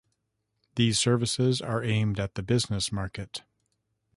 These services are aimed at the business market.